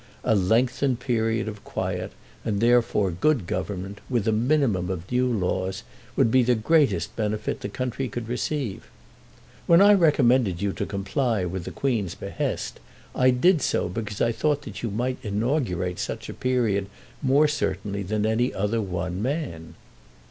A lengthened period of quiet and therefore good government with a minimum of new laws would be the greatest benefit the country could receive. When I recommended you to comply with the Queen's behest I did so because I thought that you might inaugurate such a period more certainly than any other one man."